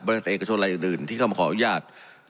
จากเอกชนอะไรอื่นที่เข้ามาขออนุญาต